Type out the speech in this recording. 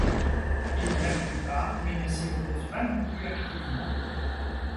Il ne l'appuie pas mais ne s'y oppose pas non plus activement.